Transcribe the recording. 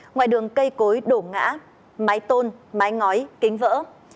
ngoài đường cây cối đổ ngã mái tôn mái ngói kính vỡ